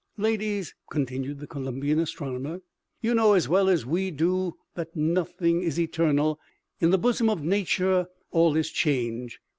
" L,adies," continued the Columbian astronomer, " you know as well as we do that nothing is eternal. In the bosom of nature all is change.